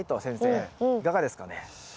先生いかがですかね？